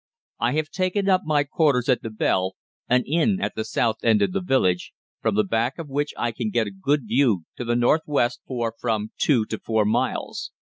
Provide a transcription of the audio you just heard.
I have taken up my quarters at the Bell, an inn at the south end of the village, from the back of which I can get a good view to the north west for from two to four miles.